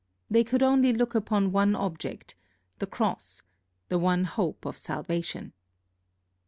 They could only look upon one object the cross, the one hope of salvation.